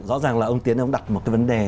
rõ ràng là ông tiến ông đặt một cái vấn đề